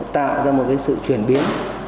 tạo ra một sự chuyển biến